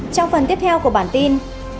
trong phần tiếp theo của bản tin